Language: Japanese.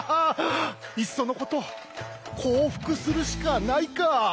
いっそのこと降伏するしかないか。